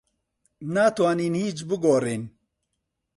ناتوانین هیچ بگۆڕین.